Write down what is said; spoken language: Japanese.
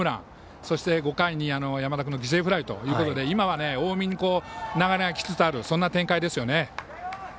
そして５回に山田君の犠牲フライということで今は近江に流れがきつつあるそんな展開ですね。